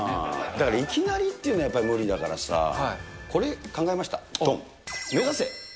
だから、いきなりというのは無理だからさ、これ、考えました、どん。